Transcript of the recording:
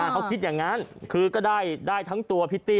เขาคิดอย่างนั้นคือก็ได้ทั้งตัวพิตตี้